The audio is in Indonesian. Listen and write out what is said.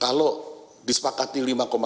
kalau disepakati lima satu